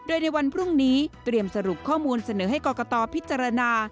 โดยในวันพรุ่งนี้เตรียมสรุปข้อมูลเสนอให้กรกตพิจารณา